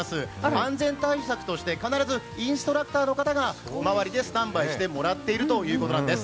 安全対策として必ずインストラクターの方が周りでスタンバイしてもらってるということなんです。